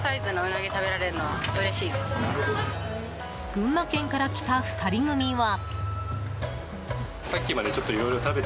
群馬県から来た２人組は。